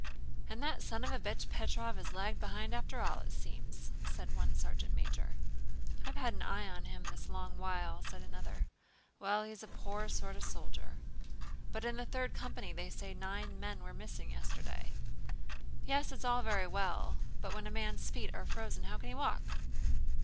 "And that son of a bitch Petróv has lagged behind after all, it seems," said one sergeant major. "I've had an eye on him this long while," said the other. "Well, he's a poor sort of soldier...." "But in the Third Company they say nine men were missing yesterday." "Yes, it's all very well, but when a man's feet are frozen how can he walk?"